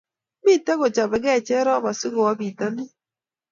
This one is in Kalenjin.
mito kochapegee cherop asigowo bitonin